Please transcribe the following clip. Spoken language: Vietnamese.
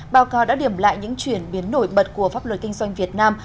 báo cáo đã điểm lại những chuyển biến nổi bật của pháp luật kinh doanh việt nam